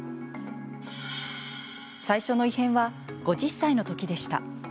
最初の異変は５０歳のときでした。